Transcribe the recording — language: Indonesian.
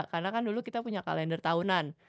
karena kan dulu kita punya kalender tahunan